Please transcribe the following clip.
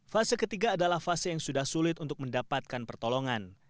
fase ketiga adalah fase yang sudah sulit untuk mendapatkan pertolongan